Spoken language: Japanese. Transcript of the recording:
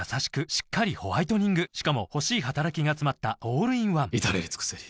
しっかりホワイトニングしかも欲しい働きがつまったオールインワン至れり尽せり